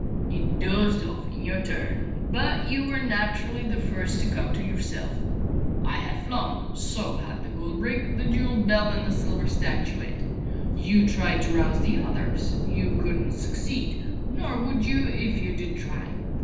"You dozed off in your turn, but you were naturally the first to come to yourself. I had flown; so had the gold brick, the jewelled belt, and the silver statuette. You tried to rouse the others. You couldn't succeed; nor would you if you did try.